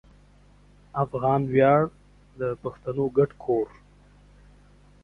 افغان ویاړ د پښتنو ګډ کور